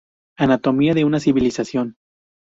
Anatomía de una civilización".